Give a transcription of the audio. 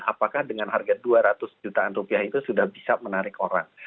apakah dengan harga rp dua ratus itu sudah bisa menarik orang